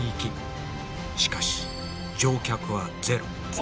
しかし乗客はゼロ。